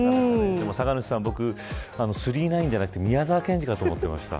酒主さん、僕、９９９じゃなくて宮沢賢治だと思っていました。